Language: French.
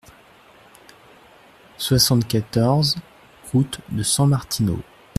soixante-quatorze route de San-Martino